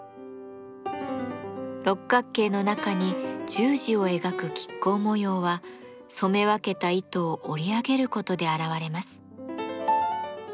六角形の中に十字を描く亀甲模様は染め分けた糸を織り上げることで現れます。